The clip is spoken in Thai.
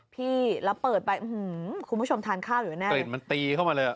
พี่แล้วเปิดไปคุณผู้ชมทานข้าวอยู่แน่กลิ่นมันตีเข้ามาเลยอ่ะ